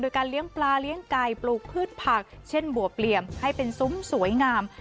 โดยการเลี้ยงปลาเลี้ยงไก่ปลูกพืชผักเช่นบัวเปลี่ยมให้เป็นซุ้มสวยงาม